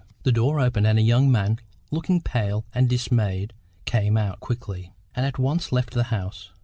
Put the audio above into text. The door opened, and a young man, looking pale and dismayed, came out quickly, and at once left the house.